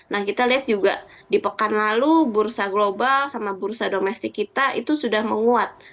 nah kita lihat juga di pekan lalu bursa global sama bursa domestik kita itu sudah menguat